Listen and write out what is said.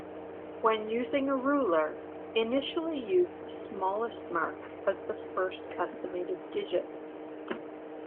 When using a ruler, initially use the smallest mark as the first estimated digit.